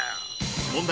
「問題」